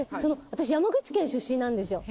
私山口県出身なんですよ。